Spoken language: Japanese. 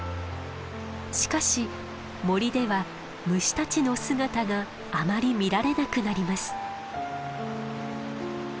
しかし森では虫たちの姿があまり見られなくなります。